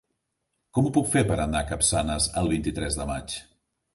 Com ho puc fer per anar a Capçanes el vint-i-tres de maig?